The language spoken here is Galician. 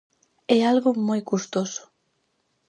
É algo moi custoso.